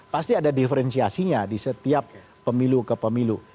pasti ada diferensiasinya di setiap pemilu ke pemilu